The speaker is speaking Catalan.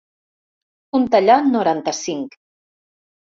Un tallat noranta-cinc.